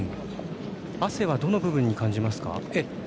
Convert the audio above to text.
汗は、どの部分に感じますか？